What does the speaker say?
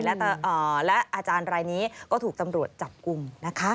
และอาจารย์รายนี้ก็ถูกตำรวจจับกลุ่มนะคะ